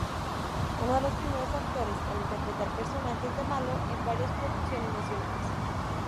Uno de los primeros actores en interpretar personajes de malo en varias producciones nacionales.